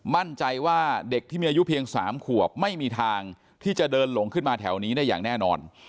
มั่นใจว่าเด็กที่มีอายุเพียง๓ขวบไม่มีทางที่จะเดินหลงขึ้นมาแถวนี้ได้อย่างแน่นอน